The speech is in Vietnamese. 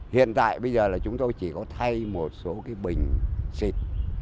hiện tại bây giờ là chúng tôi chỉ có thay một số cái bình xịt